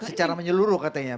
secara menyeluruh katanya